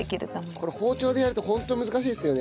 これ包丁でやるとホント難しいですよね。